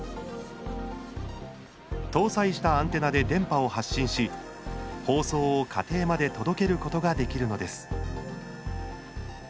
搭載したアンテナで電波を発信し放送を家庭まで届けることができるのです。